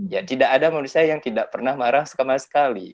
ya tidak ada manusia yang tidak pernah marah sama sekali